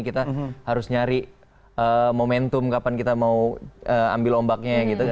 kita harus nyari momentum kapan kita mau ambil ombaknya gitu